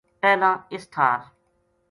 پہلاں اس ٹھار